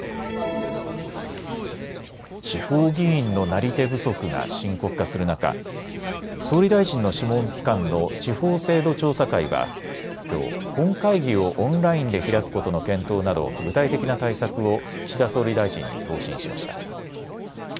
地方議員のなり手不足が深刻化する中、総理大臣の諮問機関の地方制度調査会はきょう本会議をオンラインで開くことの検討など具体的な対策を岸田総理大臣に答申しました。